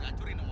gak tahu nun